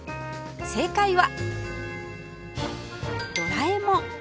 正解はドラえもん